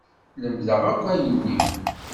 Lemdeɣ akk ayenni.